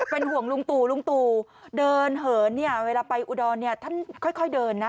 เป็นห่วงลุงตู่เดินเหินเวลาไปอุดรท่านค่อยเดินนะ